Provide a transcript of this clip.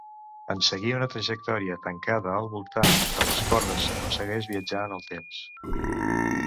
En seguir una trajectòria tancada al voltant de les cordes s'aconsegueix viatjar en el temps.